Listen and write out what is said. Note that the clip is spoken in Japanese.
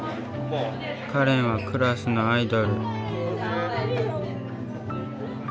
かれんはクラスのアイドル。